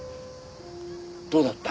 どうだった？